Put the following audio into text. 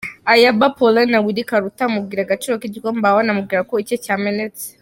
Ayabba Paulin na Willy Karuta amubwira agaciro k'igikombe ahawe, anamubwira ko icye cyamenetse.